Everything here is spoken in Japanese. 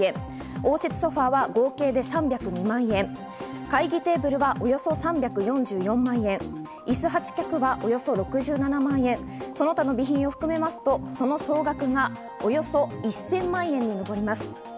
応接ソファ合計で３０２万円、会議テーブルはおよそ３４４万円、イス８脚はおよそ６７万円、その他の備品を含めますと、その総額はおよそ１０００万円に上ります。